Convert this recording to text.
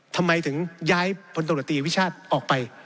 ทำไมถึงย้ายพลตรวจตีวิชาติออกไป